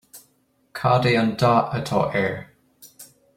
Cad é an dath atá air